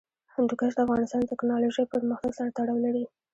هندوکش د افغانستان د تکنالوژۍ پرمختګ سره تړاو لري.